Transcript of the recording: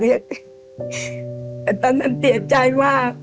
แต่ตอนนั้นเสียใจมาก